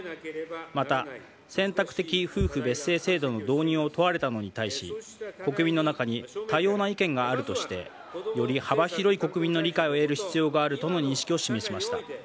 また、選択的夫婦別姓制度の導入を問われたのに対し国民の中に多様な意見があるとしてより幅広い国民の理解を得る必要があるとの認識を示しました。